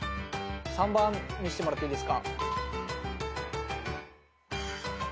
３番見せてもらっていいですか？